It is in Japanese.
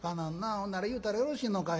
ほんなら言うたらよろしいのかいな。